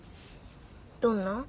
どんなん？